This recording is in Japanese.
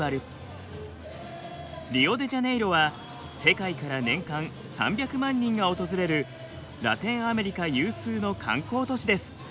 リオデジャネイロは世界から年間３００万人が訪れるラテンアメリカ有数の観光都市です。